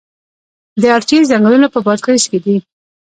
د ارچې ځنګلونه په بادغیس کې دي؟